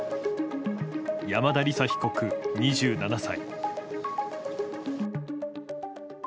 山田李沙被告、２７歳。